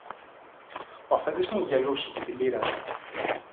Ο αφέντης μου γελούσε και την πείραζε.